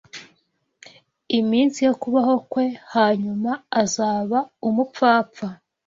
iminsi yo kubaho kwe; hanyuma azaba umupfapfa.